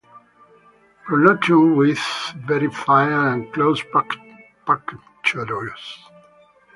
Pronotum with very fine and close punctures.